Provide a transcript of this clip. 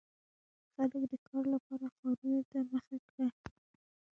• خلک د کار لپاره ښارونو ته مخه کړه.